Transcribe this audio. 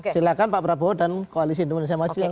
silahkan pak prabowo dan koalisi indonesia maju yang memutuskan